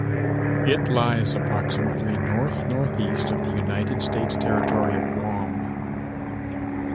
It lies approximately north-northeast of the United States territory of Guam.